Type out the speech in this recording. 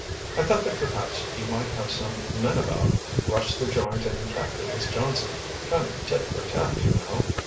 "I thought that perhaps you might have some men about, rush the joint and capture this Johnson. Kind of tit for tat, you know.